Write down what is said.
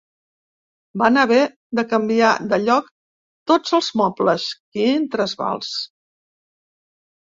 Van haver de canviar de lloc tots els mobles: quin trasbals!